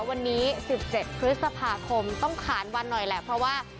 วันนี้สิบเจ็ดครุ้งสัปภาคมต้องขานวันหน่อยแหละเพราะว่า